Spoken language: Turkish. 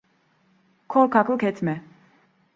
Korkaklık etme.